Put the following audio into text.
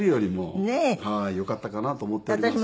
よかったかなと思っております。